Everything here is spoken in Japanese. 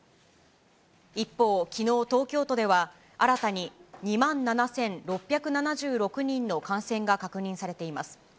一方、きのう東京都では、新たに２万７６７６人の感染が確認されています。